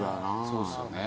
そうですよね。